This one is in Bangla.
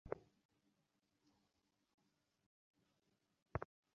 তবে শিক্ষার্থীদের কোনোভাবেই আইন নিজের হাতে নেওয়া চলবে না।